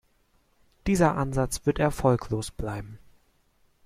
Dieser Ansatz wird erfolglos bleiben.